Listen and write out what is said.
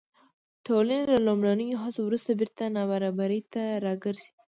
ټولنې له لومړنیو هڅو وروسته بېرته نابرابرۍ ته راګرځي.